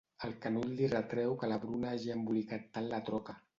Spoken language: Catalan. El Canut li retreu que la Bruna hagi embolicat tant la troca.